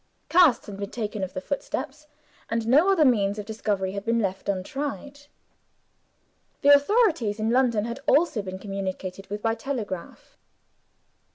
Casts had been taken of the footsteps; and no other means of discovery had been left untried. The authorities in London had also been communicated with by telegraph.